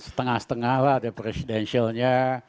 setengah setengah lah ada presidential nya